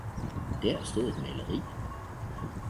der stod et maleri.